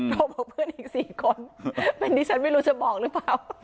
โทรบอกเพื่อนอีก๔คนเป็นดิฉันไม่รู้จะบอกหรือเปล่า